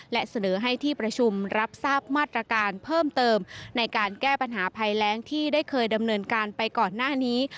และเสนอให้ที่ประชุมรับทราบมาตรการเพิ่มเติมในการแก้ปัญหาภัยแรงที่ได้เคยดำเนินการไปก่อนหน้านี้